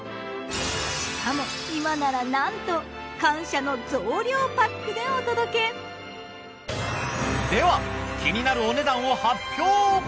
しかも今ならなんと感謝の増量パックでお届け！では気になるお値段を発表！